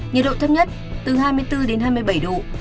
nhiệt độ thấp nhất từ hai mươi bốn đến hai mươi bảy độ